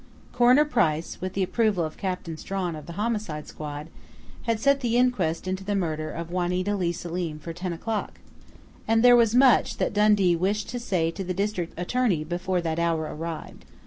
Coroner Price, with the approval of Captain Strawn of the Homicide Squad, had set the inquest into the murder of Juanita Leigh Selim for ten o'clock, and there was much that Dundee wished to say to the district attorney before that hour arrived.